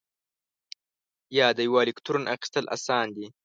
یا د یوه الکترون اخیستل آسان دي؟